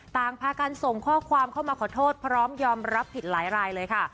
พากันส่งข้อความเข้ามาขอโทษพร้อมยอมรับผิดหลายรายเลยค่ะ